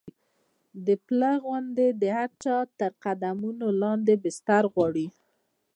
د پله غوندې د هر چا تر قدمونو لاندې بستر غواړي.